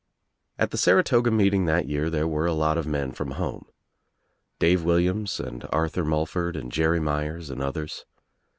At the Saratoga meeting that year there were a lot of men from home. Dave Williams and Arthur Mul ford and Jerry Myers and others.